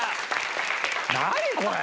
何これ！